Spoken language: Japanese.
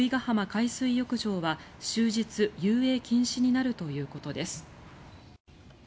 海水浴場は終日遊泳禁止になるということです。